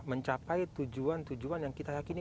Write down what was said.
mencapai tujuan tujuan yang kita yakini